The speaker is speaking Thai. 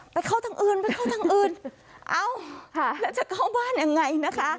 ไปเข้าทางอื่นไปเข้าทางอื่นเอ้าแล้วจะเข้าบ้านยังไงนะคะ